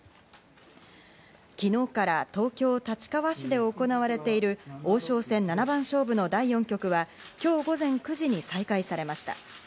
昨日から東京・立川市で行われている王将戦七番勝負の第４局は、今日午前９時に再開されました。